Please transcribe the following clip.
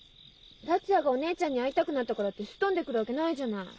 達也がお姉ちゃんに会いたくなったからってすっ飛んでくるわけないじゃない。